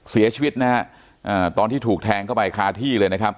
เสียชีวิตตอนที่ถูกแทงเข้าไปคาที่เลย